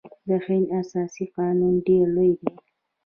د هند اساسي قانون ډیر لوی دی.